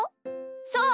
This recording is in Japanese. そう！